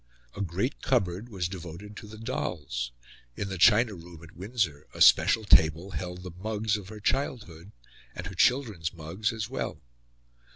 A great cupboard was devoted to the dolls; in the china room at Windsor a special table held the mugs of her childhood, and her children's mugs as well.